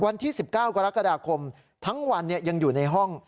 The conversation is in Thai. วันที่๑๙กรกฎาคมทั้งวันยังอยู่ในห้อง